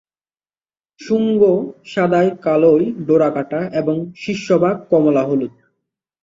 শুঙ্গ সাদায় -কালোয় ডোরাকাটা এবং শীর্ষভাগ কমলা-হলুদ।